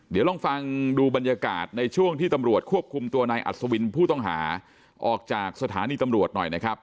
เดี๋ยวลองฟังดูบรรยากาศในช่วงที่ตำรวจควบคุมตัวนายอัศวินผู้ต้องหาออกจากสถานีตำรวจหน่อยนะครับ